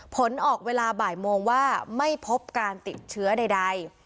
ผลออกเวลาบ่ายโมงว่าไม่พบการติดเชื้อใด